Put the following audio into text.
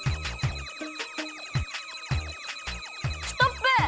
ストップ！